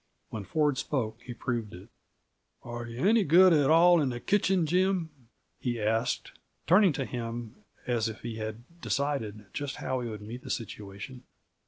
When Ford spoke, he proved it. "Are you any good at all in the kitchen, Jim?" he asked, turning to him as if he had decided just how he would meet the situation.